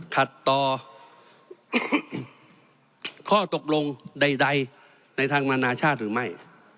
ขัดต่อข้อตกลงใดในทางนานาชาติหรือไม่